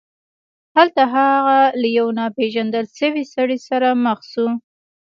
هلته هغه له یو ناپيژندل شوي سړي سره مخ شو.